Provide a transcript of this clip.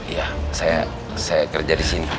ya saya kerja di sini